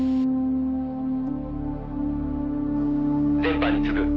「全班に告ぐ。